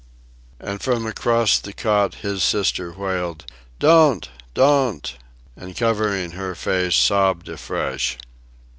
And from across the cot his sister wailed, "Don't, don't!" and, covering her face, sobbed afresh.